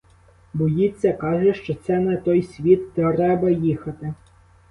Боїться, каже, що це на той світ треба їхати.